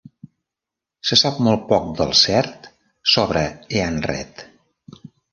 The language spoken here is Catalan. Se sap molt poc del cert sobre Eanred.